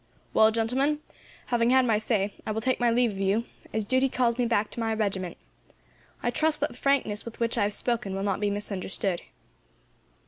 "Well, gentlemen, having had my say, I will take my leave of you, as duty calls me back to my regiment. I trust that the frankness with which I have spoken will not be misunderstood."